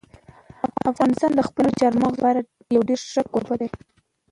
افغانستان د خپلو چار مغز لپاره یو ډېر ښه کوربه دی.